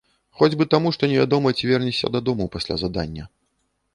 Хоць бы таму, што невядома, ці вернешся дадому пасля задання.